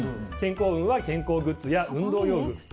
健康運は健康グッズや運動用具。